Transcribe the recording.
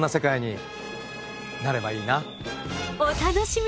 お楽しみに！